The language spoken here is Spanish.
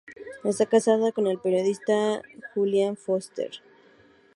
Está casada con el periodista Julian Foster.